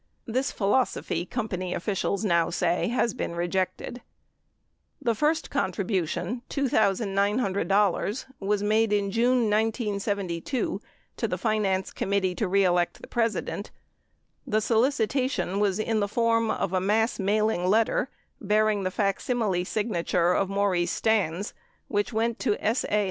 This philosophy, company officials now say, has been rejected. The first contribution, $2,900, was made in June 1972, to the Finance Committee To Re Elect the President. The solicitation was in the form or a mass mailing letter, bearing the facsimile signature of Maurice Stans, which went to S. A.